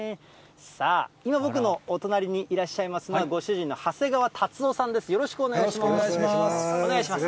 さあ、今、僕のお隣にいらっしゃいますのは、ご主人の長谷川辰夫さんです、よろしくお願いします。